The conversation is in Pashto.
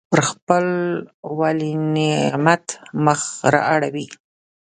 پر خپل ولینعمت مخ را اړوي.